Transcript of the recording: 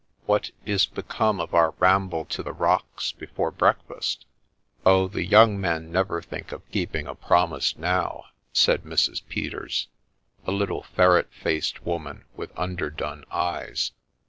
' What is become of our ramble to the rocks before breakfast ?'' Oh ! the young men never think of keeping a promise now,* said Mrs. Peters, a little ferret faced woman with underdone eyes.